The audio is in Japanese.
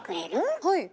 はい。